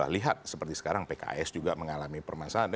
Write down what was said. lihat seperti sekarang pks juga mengalami permasalahan